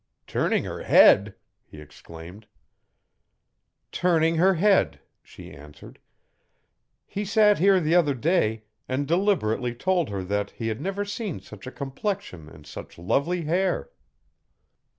'Turning her head!' he exclaimed. 'Turning her head,' she answered. 'He sat here the other day and deliberately told her that he had never seen such a complexion and such lovely hair.'